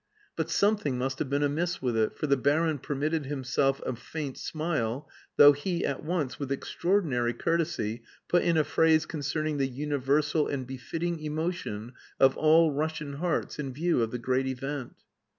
But something must have been amiss with it, for the baron permitted himself a faint smile, though he, at once, with extraordinary courtesy, put in a phrase concerning the universal and befitting emotion of all Russian hearts in view of the great event.